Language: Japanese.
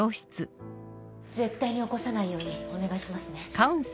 絶対に起こさないようにお願いしますね。